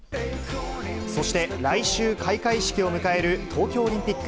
そして、来週、開会式を迎える東京オリンピック。